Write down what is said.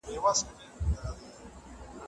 زه اوس ونې ته اوبه ورکوم.